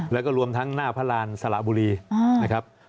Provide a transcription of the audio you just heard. แล้วก็รวมทั้งหน้าพระรานสระบุรีนะครับ